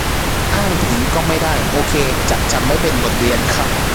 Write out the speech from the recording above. อ้างถึงก็ไม่ได้ โอเค จะจำไว้เป็นบทเรียนครับ